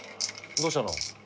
どうしたの？